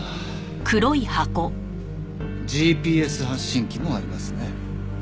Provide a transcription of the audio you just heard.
ああＧＰＳ発信機もありますね。